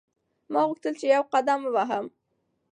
ما غوښتل چې یوازې قدم ووهم.